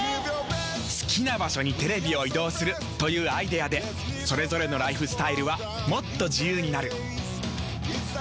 好きな場所にテレビを移動するというアイデアでそれぞれのライフスタイルはもっと自由になる。